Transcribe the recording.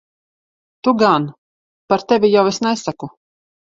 Tu gan. Par tevi jau es nesaku.